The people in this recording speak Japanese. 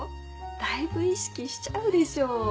だいぶ意識しちゃうでしょ。